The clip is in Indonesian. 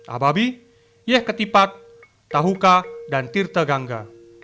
ababi yeh ketipat tahuka dan tirte gangga